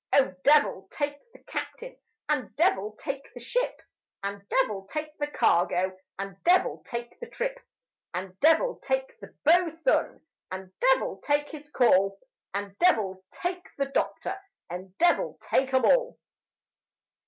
Oh devil take the captain! And devil take the ship! And devil take the cargo! And devil take the trip! And devil take the bo'su'n! And devil take his call! And devil take the doctor! And devil take 'em all!